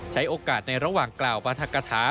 ใช้โอกาสในระหว่างกล่าวปรัฐกฐา